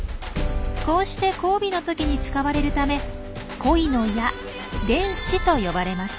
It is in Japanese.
こうして交尾の時に使われるため恋の矢「恋矢」と呼ばれます。